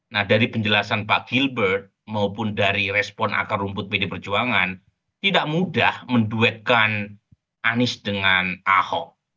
nah dari penjelasan pak gilbert maupun dari respon akar rumput pd perjuangan tidak mudah menduetkan anies dengan ahok